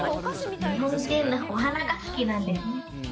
日本人はお花が好きなんですね。